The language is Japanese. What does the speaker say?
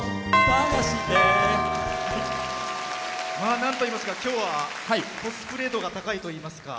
なんといいますか今日はコスプレ度が高いといいますか。